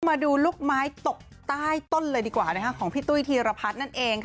มาดูลูกไม้ตกใต้ต้นเลยดีกว่าของพี่ตุ้ยธีรพัฒน์นั่นเองค่ะ